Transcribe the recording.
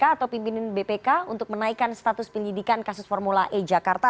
atau pimpinan bpk untuk menaikkan status penyidikan kasus formula e jakarta